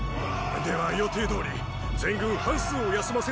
では予定どおり全軍半数を休ませる号令を出す！